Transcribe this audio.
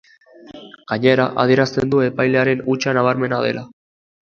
Gainera, adierazten du, epailearen hutsa nabarmena dela.